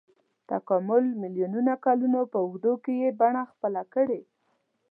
تکامل میلیونونو کلونو په اوږدو کې یې بڼه خپله کړې.